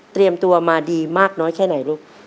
เตรียมตัวมาดีมากน้อยแค่ไหนลูก